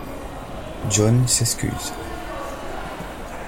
John s'excuse.